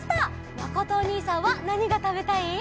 まことおにいさんはなにがたべたい？